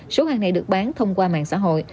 số hàng này được bán thông qua mạng xã hội